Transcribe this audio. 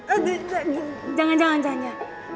aduh jangan jangan jangan ya